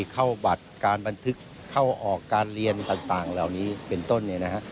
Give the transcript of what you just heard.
เข้าบัตรการบันทึกเข้าออกการเรียนต่างเหล่านี้เป็นต้นเนี่ยนะฮะ